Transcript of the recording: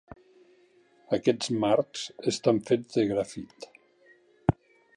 Aquests marcs estan fets de grafit.